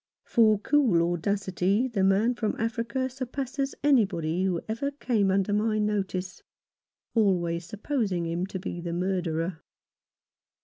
For cool audacity the man from Africa surpasses anybody who ever came under my notice — always supposing him to be the murderer.